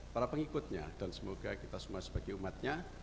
para pengikutnya dan semoga kita semua sebagai umatnya